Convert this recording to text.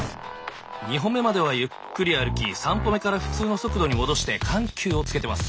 ２歩目まではゆっくり歩き３歩目から普通の速度に戻して緩急をつけてます。